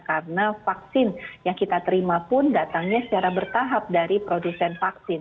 karena vaksin yang kita terima pun datangnya secara bertahap dari produsen vaksin